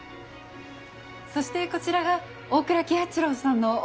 そしてこちらが大倉喜八郎さんの奥様の。